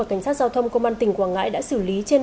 công an tỉnh quảng ngãi đã xử lý trên